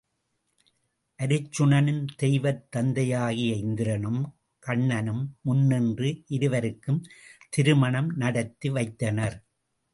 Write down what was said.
அருச்சுனனின் தெய்வத் தந்தையாகிய இந்திரனும், கண்ணனும் முன் நின்று இருவருக்கும் திருமணம் நடத்தி வைத்தனர்.